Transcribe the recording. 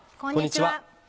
こんにちは。